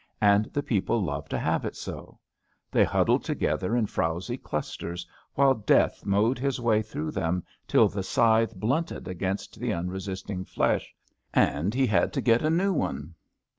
And the people loved to have it so. They huddled together in frowsy clusters, while Death mowed his way through them till the scythe blunted against the unresisting flesh, and he had to get a new one.